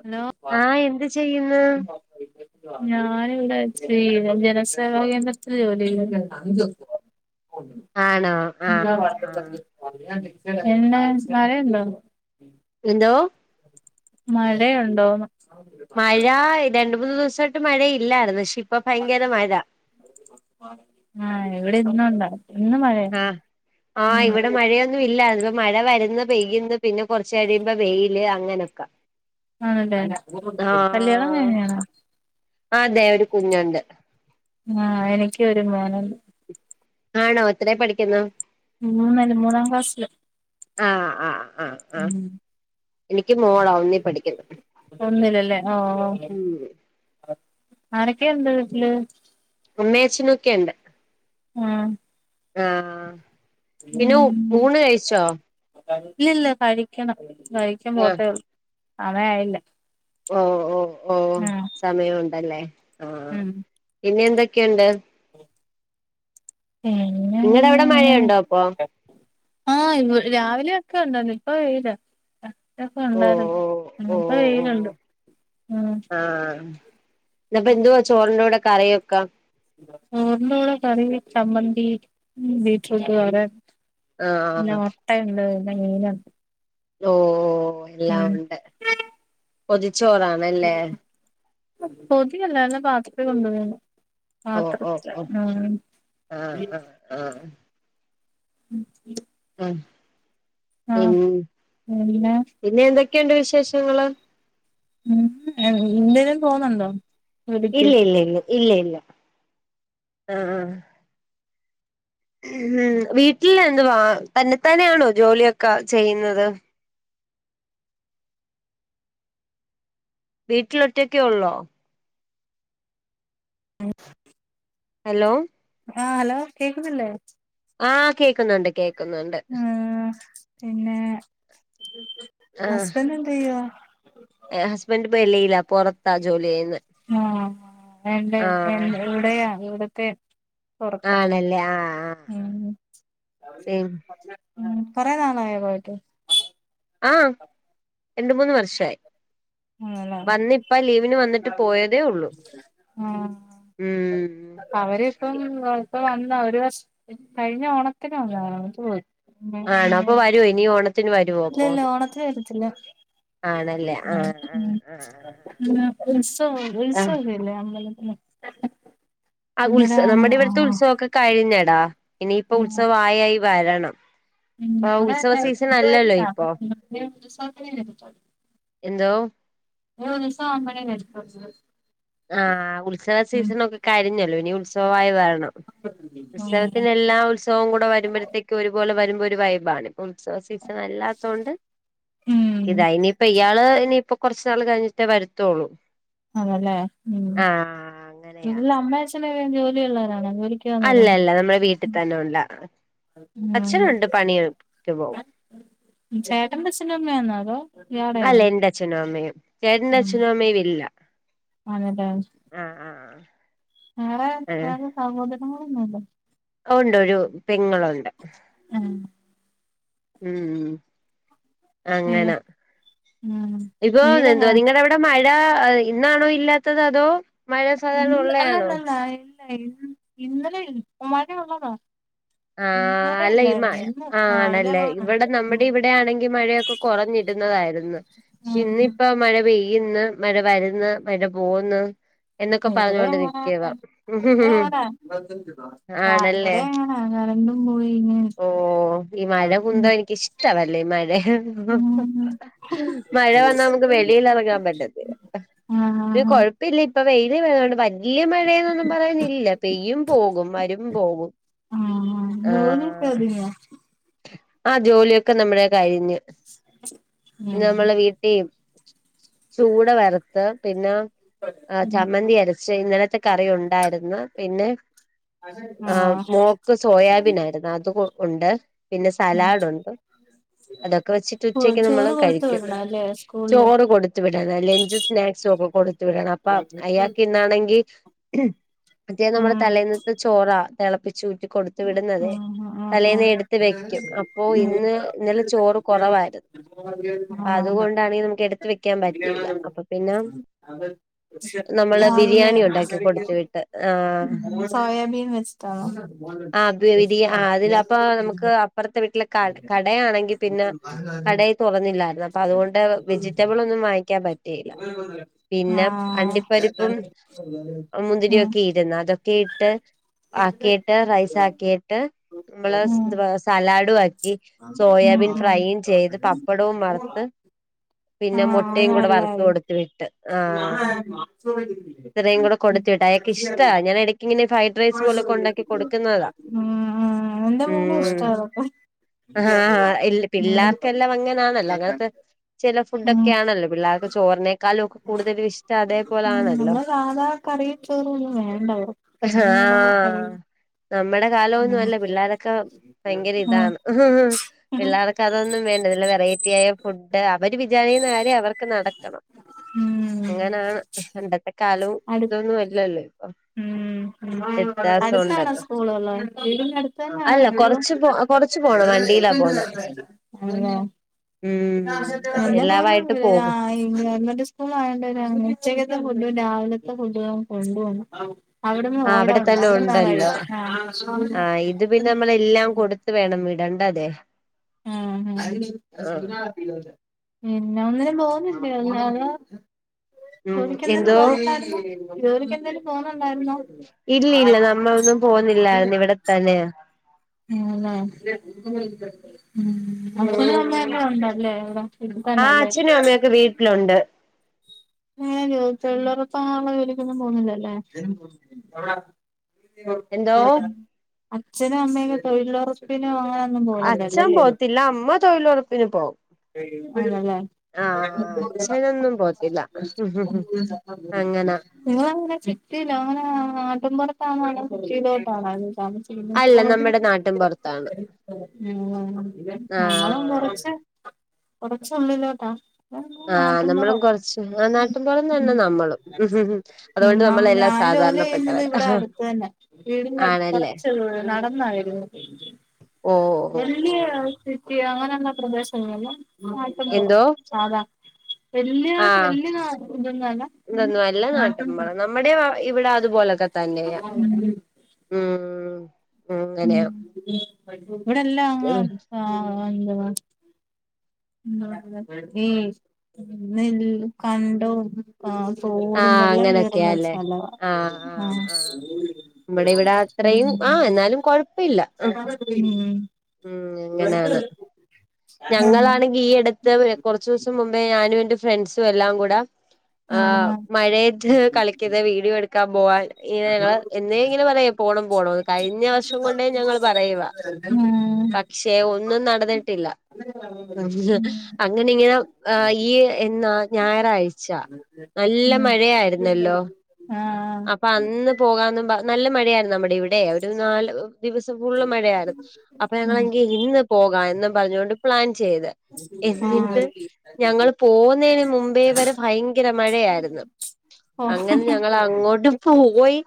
Hello ആഹ് എന്ത് ചെയ്യുന്നു [inaudible] ഞാനിവിടേ [unintelligible] ജനസേവാ കേന്ദ്രത്തിൽ ജോലി ചെയ്യ്ന്നു. ആണോ എന്താ ആഹ് ആഹ് മഴയുണ്ടോ? എന്തോ മഴയൊണ്ടോന്ന് മഴാ രണ്ട് മൂന്നു ദിവസായിട്ട് മഴ ഇല്ലാരുന്നു. പക്ഷേ ഇപ്പ ഭയങ്കര മഴ. ആഹ് ഇവിടെ ഇന്നുണ്ട് ആഹ് ആ ഇവിടെ മഴ പ്പ ഇല്ലാര്ന്നു. ഇത് മഴ വര്ന്ന് പെയ്യ്ന്ന് പിന്നെ കൊറച് കഴിയുമ്പ വെയില് അങ്ങനക്കെ. ആണല്ലേ ആഹ് കല്യാണം കഴിഞ്ഞാണോ ആ അതെ ഒരു കുഞ്ഞുണ്ട്. ആഹ് എനിക്ക് ഒരു മോനുണ്ട്. ആണോ എത്രെ പഠിക്കുന്ന? [unintelligible] മൂന്നാം ക്ലാസില്. ആഹ് ആഹ് ആഹ് ആഹ് എനിക്ക് മോള. ഒന്നി പഠിക്കുന്നു. ഒന്നില്ലല്ലേ ഓഹ് ഉം ആരൊക്കെയിണ്ട് വീട്ടില്? അമ്മേ അച്ചനോക്കെയിണ്ട്. ആഹ് ആഹ് പിന്നെ ഊണ് കഴിച്ചോ ഇല്ലില്ല കഴിക്കണം കഴി ആഹ് [unintelligible] സമയായില്ല ഓഹ് ഓഹ് ഓഹ് ആ സമയോണ്ടല്ലേ. ആഹ് ഉം ഇനി എന്തൊക്കെണ്ട് [unintelligible] നിങ്ങടെ അവിടെ മഴയുണ്ടോ അപ്പൊ ആഹ് ഇ രാവിലെയൊക്കെ ഉണ്ടാര്ന്ന് ഇപ്പ വെയിലാ ഒക്കെ ഓ ഉണ്ടാര്ന്നു. ഓ ഇപ്പ ഓ ഓ വെയിലുണ്ട് ഉം ഇന്ന്പ്പൊ എന്തുവാ ചോറിന്റെ കൂടെ കറിയൊക്കെ? ചോറിന്റെ കൂടെ കറി ചമ്മന്തി, ബീറ്റ്റൂട്ട് തോരൻ ഇല്ല ആഹ് മൊട്ടയ്ണ്ട് [unintelligible] ഓഹ് എല്ലാം ഒണ്ട് പൊതിച്ചോറാണ്. പൊതിയല്ല പാത്രത്തിൽ കൊണ്ട വരാണ്. ഓ ഓ പാത്രത്തില ഓ ഉം ആഹ് ആഹ് ആഹ് ഉം പി ആഹ് പിന്നെ എന്തൊക്കെയുണ്ട് വിശേഷങ്ങള്? ഉം എന്തേലും പോകുന്നുണ്ടോ ജോലിക്ക്? ഇല്ല ഇല്ല ഇല്ല ഇല്ല ആഹ് ഉം വീട്ടിൽ എന്ത്വാ തന്നെത്താനെയാണോ ജോലിയൊക്കെ ചെയ്യുന്നത്? വീട്ടിൽ ഒറ്റക്കെ ഒള്ളോ [inaudible] ഹലോ ആഹ് ഹലോ കേക്കുന്നില്ലേ ആഹ് കേക്കുന്നുണ്ട് കേക്ക് ആഹ് പിന്നെ ഹസ്ബന്റ് എന്ത് ചെയ്യാ ഹസ്ബന്റ് ഇപ്പ വെളിയില പുറത്താ ജോലി ചെയ്യ്ന്നെ ആഹ് എന്റെ എന് ഇവിടെയാ ഇവിട്ത്തെ പൊറത്താ ആണല്ലേ ആഹ് ആഹ് ഉം ആഹ് പി ഉം കൊറേ നാളായോ പോയിട്ട് ആഹ് രണ്ട് മൂന്ന് വർഷായി ആണല്ലേ വന്നിപ്പ ലീവിന് വന്നിട്ട് പോയതേ ഉള്ളൂ ആഹ് ഉം അവരിപ്പം കോ ഇപ്പൊ വന്നാ ഒരു വർഷ കഴിഞ്ഞ ഓണത്തിന് വന്ന വന്നിട്ട് പോയി ആണോ അപ്പൊ വരുവോ ഇനി ഓണത് ഇല്ല ഇല്ല ഓണത്തിന് വരത്തില്ല ആഹ് ഉം ന്നാ ഉത്സവം ആഹ് ഉത്സവോക്കയില്ല അമ്പലത്തില് ആഹ് അന്നേരം ഉത്സവ നമ്മടെ ആണോ ഇവിടുത്തെ ആഹ് ഉത്സവോക്കെ കഴിഞ്ഞടാ ഇനിയിപ്പ ഉത്സവായിയായി വരണം ഉം ഇപ്പ നമ്മടെ ഉത്സവ സീസൺ അല്ലല്ലോ ഫെബ്രുവരില്ല ഇപ്പൊ അപ്പ ഫെബ്രുവരി ഉത്സവത്തിനെ വരുത്തോളൂ എന്തോ ഇനി ഉത്സവം ആകുമ്പഴേ വരുത്തൊള്ള് ആഹ് ഉത്സവ സീസണൊക്കെ കഴിഞ്ഞല്ലോ ഇനി ഉത്സവായി വരണം ഉത്സവത്തിന് എല്ലാ ഉത്സവവും കൂടെ വരുമ്പോഴത്തേക്ക് ഒരുപോലെ വരുമ്പോ ഒരു വൈബാണ് ഉത്സവ സീസൺ അല്ലാത്തകൊണ്ട് ഉം ഇത ഇനിയിപ്പ ഇയാള് ഇനിപ്പോ കൊറച്ച് നാള് കഴിഞ്ഞിട്ടേ വരത്തൊള്ളൂ ആണല്ലേ ആഹ് അങ്ങനെയാ വീട്ടിലെ അമ്മേം അഛന് ജോലി ഉള്ളരാണോ ജോലിക്ക് അല്ല പോകുന്നവരാണോ അല്ല നമ്മുടെ വീട്ടി തന്നെ ഉള്ള ഉം അച്ഛനൊണ്ട് പണിയെടു ക്ക് പോകും ചേട്ടന്റെ അച്ഛനും അമ്മയാന്നോ അതോ ഇയാടെയാണോ അല്ല എന്റെ അച്ഛനും അമ്മയും ചേട്ടന്റ അച്ഛനും അമ്മയും വെളിയിലാ ആണല്ലേ ആഹ് ആഹ് ആഹ് ആഹ് വേറെ വേറെ സഹോദരങ്ങൾ ഒന്നും ഇല്ലേ ഒണ്ട് ഒരു പെങ്ങളുണ്ട് ഉം ഉം അയ്യോ അങ്ങനാ ഉം ഇപ്പൊ നീരങ്ങാ എന്തുവാ നിങ്ങടവിട് ട മഴ ഇന്നാണോ ഇല്ലാത്തത് അതോ മഴ സാധാരണ ഉള്ളയാണോ ല്ലായിരുന്നു ഇന്നലെ ഒരു മഴ ഒള്ളതാ ആഹ് അല്ല ഈ മഴ ആഹ് രാവിലെ ആണല്ലേ പോലുണ്ട് ഇവിടെ ഉം നമ്മുടെ ഇവിടെയാണെങ്കി മഴയൊക്കെ കുറഞ്ഞിരുന്നതാരുന്നു പക്ഷെ ഉം ഇന്നിപ്പ മഴ പെയ്യന്ന് മഴ വരുന്ന് മഴ പോകുന്ന് ഇവിടെയങ്ങ തന്നെ ഇവിടെഅങ്ങന ആഹ് ഇവിടെയങ്ങനെ ആഹ് കരണ്ടും പോയി ഇങ്ങ ഓഹ് ഈ മഴ കുന്തം എനിക്കിഷ്ടവല്ലേ ഈ മഴേ ഉം മഴ വന്നാ നമുക്ക് വെളില് ഇറങ്ങാൻ പറ്റത്തില്ല ആഹ് പിന്ന ആഹ് കോഴപ് പ്പില്ല ഇപ്പ വെയില് വരാണ്ട് വല്യ മഴയന്നൊന്നും പറയുന്നില്ല പെയ്യും പോകും വരും പോകും ആഹ് ജോലിയൊക്കൊതുങ്ങിയോ ആഹ് ജോലിയൊക്കെ നമ്മളെ കഴിഞ്ഞ് പിന്ന ഉം നമ്മളെ വീട്ടി ചൂട വറ്ത്ത് പിന്നെ ആഹ് ഉം ചമ്മന്തി അരച് പക്ഷെ ഇന്നലത്തെ കറി ഉണ്ടായിരുന്ന് പിന്നെ ആഹ് മോക്ക് സോയാബീൻ ആയിരുന്നു അത് ഉണ്ട് പിന്നെ ഉം സലാഡുണ്ട് അതൊക്കെ വെച്ചിട്ട് ഉച്ചക്ക് നമ്മള് ചോറ് കൊടുത്ത് കഴിക്കും വിടണം അല്ലേ സ്കൂളില് ചോറ് കൊടുത്ത് വിടണം ലഞ്ചും സ്നാക്സും ഒക്കെ കൊടുത്ത് വിടണം അപ്പൊ അയാക്ക് ന്ന്ആണെങ്കി മറ്റേ ഉം നമ്മുടെ തലേന്നത്തെ ചോറാ തിളപ്പി ച്ചൂറ്റി കൊടുത്തു വിടുന്നത് ഉം ഉം തലേന്ന് എടുത്ത് വെ ക്ക്യും അപ്പോ ഇന്ന് ഇന്നലെ ചോറ് കുറവായിരുന്ന് ഉം ഉം അത് കൊണ്ടാണെങ്കി നമുക്ക് എടുത്ത് വെയ്ക്കാം പറ്റിയില്ല അപ്പൊ പിന്നെ നമ്മള് രാവിലെ ബിരിയാണി ഉണ്ടാക്കി കൊടുത്ത് വിട്ട് ആ സോയാബീൻ വെച്ചിട്ടാണോ ആ ബിരി ആ അതില് അപ്പോ നമുക്ക് അപ്പുറത്തെ വീട്ടില് കട കടയാണെങ്കിൽ പിന്നെ കട തുറന്നില്ലായിരുന്നു അപ്പൊ അതുകൊണ്ട് വെജിറ്റബിൾ ഒന്നും വാങ്ങി ക്കാൻ പറ്റിയില്ല പിന്നെ ആഹ് അണ്ടിപ്പരിപ്പും ഉം മുന്തിരിയൊക്കെയേ ഇരുന്ന് അതൊക്കെ ഇട്ട് ആക്കീട്ട് റൈസാക്കിയിട്ട് നമ്മള് ഉം [unintelligible] സലാഡും ആക്കി ഉം സോയാബീൻ ഉം ഫ്രൈയും ചെയ്ത് പപ്പടവും വറത്ത് പിന്നെ ആഹ് അത് മുട്ടയും കൂടെ വറുത്ത് നല്ലായിരിക്കും കൊടുത്ത് വിട്ട് ആ ഇത്രയും കൂടെ കൊടുത്ത് വിട്ട് അയാക്ക് ഇഷ്ടാ ഞാൻ ഇടയ്ക്കിങ്ങനെ ഫൈ റൈസ് പോലൊക്കെ ഉണ്ടാക്കി കൊടുക്കുന്നതാ ഉം ഉം എന്റെ മോനും ഉം ഇഷ്ടാ അതൊക്കെ ആഹ് ഇല്ല ഉം ഉം പിള്ളേർക്കെല്ലാം അങ്ങനെയാണല്ലോ അങ്ങനത്തെ ചില ഫുഡൊക്കെ ആണല്ലോ പിള്ളേർക്ക് ചോറിനേക്കാളും കൂടുതലും ഇഷ്ടം ഉം അതേപോലൊണല്ലോ നമ്മള് സാധാ കറിയും ചോറും ഒന്നും വേണ്ട അവർക്ക് ആ അവനിങ്ങനെ കഴിയും നമ്മടെ കാലമൊന്നും ഉം അല്ല പിള്ളേരൊക്കെ ഭയങ്കര ഉം ഇതാണ് പിള്ളേർക്ക് അതൊന്നും വേണ്ട നല്ല വെറൈറ്റി ആയ ഫുഡ് അവര് വിചാരിക്കുന്ന കാര്യം അവർക്ക് ക്ക് നടക്കണം ഉം അങ്ങനാ പണ്ടത്തെ കാലവും അടു ഇതൊന്നും അല്ലല്ലോ ഇപ്പം ഉം അടുത്താണോ സ്കൂളുകള് വീടിന് അടുത്ത് തന്നെയാണോ അല്ല സ്കൂള് കൊറച്ച് പോ കൊറച്ച് പോണം വണ്ടിയിലാ പോണെ ഉം [unintelligible] അപ്പൊ എന്റെ മോനും എല്ലാവായിട്ട് പോകും [unintelligible] ആഹ് ഈ ഗവൺമെന്റ് സ്കൂൾ ആയകൊണ്ട് പിന്നെ ഉച്ചക്കത്തെ ഫുഡും രാവിലത്തെ ഫുഡും കൊണ്ട് പോണ്ട അവിടന്ന് ആ അവിടെ ഉണ്ട് തന്നെ അവിടുന്നാ ഉണ്ടല്ലോ കഴിക്കുന്നെ ആ എല്ലാം കൊടുത്ത് വേണം വിടണ്ടതേ ഉം പിന്നെ ഒന്നിനും പോന്നില്ലേ അതോ ഉം ജോലിക്ക് എന്തേലും എന്തോ പോന്നുണ്ടായിരുന്നോ ജോലിക്ക് എന്തേലും പോന്നുണ്ടായിരുന്നോ ഇല്ലില്ല നമ്മളൊന്നും പോവുന്നില്ലായിരുന്നു ഇവിടെത്തന്നെയാ ആണല്ലേ ഉം അച്ഛനും ഉം അമ്മയും ഒക്കെ ഉണ്ടല്ലേ ഇവിടെ ആ വീട്ടിതന്നെയല്ലേ അച്ഛനും അമ്മയൊക്കെ വീട്ടിലുണ്ട് ഏ തൊഴിലുറപ്പ് അങ്ങനുള്ള ജോലിക്കൊന്നും പോന്നില്ലല്ലേ എന്തോ അച്ഛനും അമ്മയൊക്കെ തൊഴിലുറപ്പിനോ അങ്ങനെ അച്ഛൻ പോത്തില്ല അമ്മ തൊഴിലുറപ്പിന് പോവും ആണല്ലേ ആ [unintelligible] അച്ഛനൊന്നും പോത്തില്ല അങ്ങന നിങ്ങള് എങ്ങനെ സിറ്റിയിലോ അങ്ങനെ നാട്ടിൻ പുറത്താണോ അല്ലേ സിറ്റിയിലോട്ടാണോ താമസി ഉം അല്ല നമ്മുടെ നാട്ടിൻ പുറത്താണ് ഞങ്ങളും ആ കൊറച്ച് കൊറച്ച് ഉള്ളിലോട്ടാ ആ നമ്മളും കൊറച്ച് ആ നാട്ടിൻപുറം തന്നെയാ നമ്മളും അതുകൊണ്ട് ഉം നമ്മളെല്ലാം ഞാൻ ജോലി ചെയ്യുന്നത് സാധാരണപ്പെട്ടവരാ ഇവിടെ അടുത്ത് തന്നാ വീടിന്റെ അടുത്ത് ആണല്ലേ കുറച്ച് നടന്നാ വരുന്നത് ഓ ഓ ഓ [unintelligible] സിറ്റിയോ അങ്ങനുള്ള പ്രദേശങ്ങളല്ല നാട്ടിൻപുറം എന്തോ സാധാ വല്യ ആഹ് വല്യ ഇതൊന്നുല്ല ഇതൊന്നും അല്ല നാട്ടിൻപുറം നാട്ടിൻപുറത്ത് നമ്മുടെ ഇവിടെ അതുപോലൊക്കെ തന്നെയാ ഉം ഉം ഇവിടെല്ലാം അങ്ങ് ആഹ് എന്തുവാ ഈ നെൽ കണ്ടും ആ തോടും ആഹ് വെള്ളം കയറുന്ന അങ്ങനൊക്കെയാല്ലേ സ്ഥലവാ ആഹ് ആ ആഹ് ആഹ് നമ്മുടെ ഇവിടെ ഉം അത്രയും ആ എന്നാലും കൊഴപ്പമില്ല ആ ഉം ഉം എങ്ങനെയാണ് [unintelligible] ഈ അടുത്ത് കുറച്ചു ദിവസം മുമ്പേ ഞാനും എന്റെ ഫ്രണ്ട്സും എല്ലാം കൂടെ ആ മഴയത്ത് കളിക്കുന്ന വീഡിയോ എടുക്കാൻ പോവാൻ ഞങ്ങൾ എന്നും ഇങ്ങനെ പറയും പോണം പോണം കഴിഞ്ഞ [unintelligible] കൊണ്ടേ ഞങ്ങൾ പറയുവാ ഉം പക്ഷെ ഒന്നും നടന്നിട്ടില്ല ഉ ഉം അങ്ങനെ ഇങ്ങനെ ഈ എന്നാ ഞായറാഴ്ച നല്ല മഴയായിരുന്നല്ലോ ആഹ് അപ്പൊ അന്ന് പോകാന്ന് പറ നല്ല മഴയായിരുന്നു നമ്മുടെ ഇവിടെ ഒരു നാല് ദിവസം ഫുള്ള് മഴയായിരുന്നു അപ്പൊ ഞങ്ങളെങ്കി ആ ഇന്ന് പോകാം എന്നും പറഞ്ഞൊണ്ട് പ്ലാൻ ചെയ്ത് ഉം എന്നിട്ട് ഞങ്ങൾ പോകുന്നതിന് മുമ്പേ വരെ ഭയങ്കര മഴയായിരുന്നു ആ- അങ്ങോട്ടും പോയി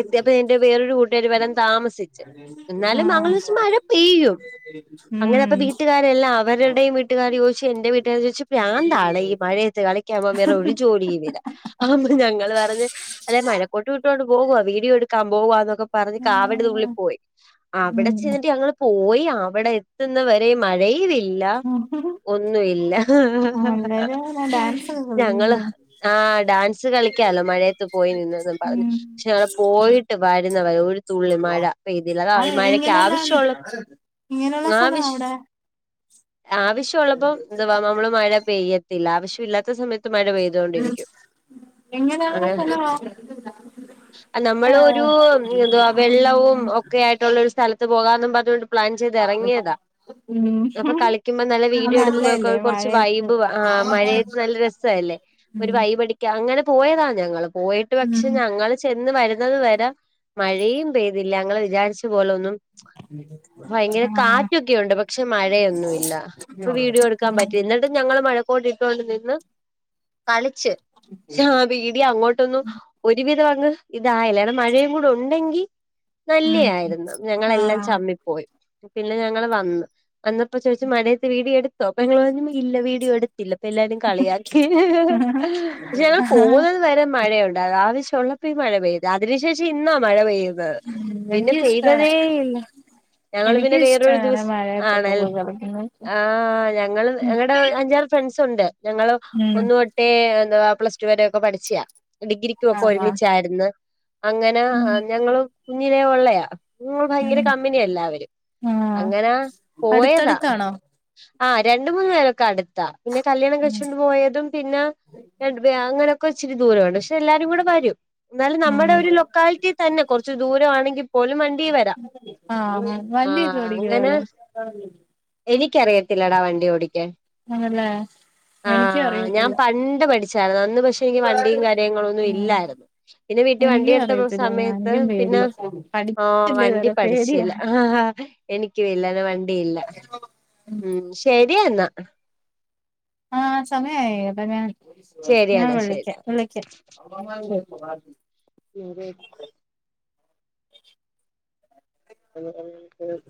എത്തിയപ്പോ എന്റെ വേറൊരു കൂട്ടുകാരി വരാൻ താമസി എന്നാലും [unintelligible] മഴ പെയ്യും അങ്ങനെ അപ്പോ വീട്ടുകാരെല്ലാം അവരുടെയും [unintelligible] ചോദിചു എന്റെ വീട്ടുകാരും ചോദിച്ചു പ്രാന്താണോ ഈ മഴയത്ത് കളി [unintelligible] വേറെ ഒരു ജോലിയും ഇല്ല [unintelligible] ഞങ്ങള് പറഞ് അതെ മഴക്കോട്ട്ട്ടോണ്ട് പോവാ വീഡിയോ എടുക്കാൻ പോകുവാ എന്നൊക്കെ പറഞ് കാവടി തുള്ളി പോയി അവിടെ ചെന്നിട്ട് ഞങ്ങള് പോയി അവിടെ [unintelligible] വരെ മഴയും ഇല്ല ഒന്നുമില്ല എല്ലാരും അങ്ങനെ ഡാൻസ് ഒക്കെ ഞങ്ങള് കളിക്കും ആ ഡാൻസ് കളിക്കാലോ മഴയത്ത് [unintelligible] ഉം പക്ഷെ ഞങ്ങൾ പോയിട്ട് വരുന്നവ തുള്ളി മഴ പെയ്തില്ല അതാ ഈ അത് മഴക്ക് ഇങ്ങനെയുള്ള ആവശ്യുള്ള ഇങ്ങനെയുള്ള സ്ഥലം ആവശ്യ അവിടെ ആവശ്യം ഉള്ളപ്പോ [unintelligible] നമ്മള് മഴ പെയ്യത്തില്ല ആവശ്യം ഇല്ലാത്ത സമയത്ത് ത്ത് മഴ പെയ്തൊണ്ടിരിക്കും ഇങ്ങനെയുള്ള അങ്ങെനെ [unintelligible] നമ്മൾ ഒരു എന്ത വെള്ളവും ഒക്കെ ആയിട്ടുള്ള ഒരു സ്ഥലത്ത് പോകാന്നും പറഞ്ഞൊണ്ട് പ്ലാൻ ചെയ്ത് ഇറങ്ങിയതാ ഉം അപ്പൊ കളിക്കുമ്പോ നല്ല അത് വീഡിയോ എടുക്കുമ്പോക്കെ നല്ലതല്ലേ കുറച്ച് മഴയത്ത് വൈബ് ആഹ് മഴയത്ത് നല്ല രസല്ലേ ഒരു ഉം വൈബ അങ്ങനെ പോയതാ ഞങ്ങൾ പോയിട്ട് ഉം പക്ഷെ ഞങ്ങൾ ചെന്ന് വരുന്നത് വരെ മഴയും പെയ്തില്ല ഞങ്ങൾ വിചാരിച്ച പോലെ ഒന്നും [unintelligible] ഭയങ്കര ആഹ് കാറ്റൊക്കെയുണ്ട് പക്ഷെ മഴയൊന്നുമില്ല ഇപ്പൊ വീഡിയോ എടുക്കാൻ ആഹ് പറ്റില്ല ഇന്ന ഞങ്ങൾ മഴക്കോട്ട് ഇട്ടോണ്ട് നിന്ന് കളിച്ച് ആ വീഡിയോ അങ്ങോട്ട് [unintelligible] ഒരുവിധം അങ്ങ് ഇതായല്ല ഇ മഴയും കൂടെ ഉണ്ടെങ്കിൽ ഉം നല്ലയായിരുന്നു ഞങ്ങളെല്ലാം ചമ്മിപ്പോയി പിന്നെ ഞങ്ങള് വന്നു വന്നപ്പോ ചോദിചു മഴയത്ത് വീഡിയോ എടുത്തോ അപ്പൊ ങ്ങങ്ങള് പറഞ്ഞ് ഇല്ല വീഡിയോ എടുത്തില്ല എല്ലാവരും കളിയാക്കി പക്ഷെ ഞങ്ങൾ ആഹ് പോകുന്നത് [unintelligible] മഴയുണ്ട് അത് ആവശ്യം ഉള്ളപ്പോ ഈ മഴ പെയ്ത അതിനു ശേഷം ഇന്നാ മഴ പെയ്യു അ പിന്നെ എനിക്കും ഇഷ്ടാ പെയ്തതേ ഇല്ല ഞങ്ങള് പിന്നെ എനിക്കും വേറൊരു ഇഷ്ടാണ് ദിവസം മഴയത്തൊക്കെ ആണല്ലേ പോയി കളിക്കുന്നത് ആ ഞങ്ങൾ ഉം അല്ലടാ അഞ്ചാറ് ഫ്രൻസുണ്ട് ഞങ്ങള് ഉം ഒന്നൊട്ടേ എന്ത പ്ലസ് ടു വരൊക്കെ പഠിച്ചത ഡിഗ്രി [unintelligible] മൊക്കെ ആഹ് ആഹ് ഒരുമിച്ചായിരുന്നു അങ്ങനെ ഞങ്ങള് കുഞ്ഞിലേ ഉള്ളയാ ഭയങ്കര ഉം കമ്പനിയാ എല്ലാവരും ആഹ് അങ്ങനാ പോയതാ അടുത്തടുത്താണോ ആഹ രണ്ട മൂന്ന് പേരൊക്കെ അടുത്താ പിന്നെ കല്യാണം ഉം കഴിച്ചോണ്ട് പോയതും പിന്നെ ഞാൻ അങ്ങനെയൊക്കെ ഇച്ചരി ദൂരോ ആണ് പക്ഷെ എല്ലാരും കൂടെവരും എന്നാലും നമ്മടെ ഉം ഒരു ലൊക്കാലിറ്റി തന്നെ കുറച്ച് ദൂരമാണെങ്കിൽ പോലും വണ്ടി വരാ ആഹ് വണ്ടിക്കെ ഓടിക്കോ ഇയാൾ എനിക്കറിയത്തില്ലടാ വണ്ടി ഓടിക്കാൻ ആണല്ലേ എനിക്കും ആഹ് ഞാൻ അറിയത്തില്ല പണ്ട് പഠി ചാരുന്ന് അന്ന് പക്ഷെ ങ്കി വണ്ടിയും കാ ര്യങ്ങളൊന്നും ഉം ഇല്ലാര്ന്ന് പിന്നെ വീട്ടിൽ എനിക്കും വണ്ടിഎടുത്ത അറിയത്തില്ല ഞാൻ സമയത്ത് എനിക്കും പിന്ന പേടിയാ ആഹ് പഠിച്ചില്ല വണ്ടി ഇതുവരെ പേടിയാ പഠിച്ചില്ല ഹ ഹ എനിക്കും ‌ ഇല്ല വണ്ടിയില്ല മം ശരിഎന്നാ ആഹ് സമയായിട്ട ഞാൻ ശരിയടാ ശരി വിളിക്ക വിളിക്ക [unintelligible] അത അ [unintelligible]